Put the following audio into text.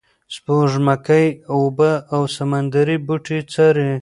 سپوږمکۍ اوبه او سمندري بوټي څاري.